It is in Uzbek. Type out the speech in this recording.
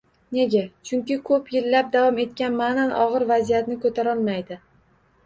Nega? Chunki ko‘p yillab davom etgan ma’nan og‘ir vaziyatni ko'tarolmaydi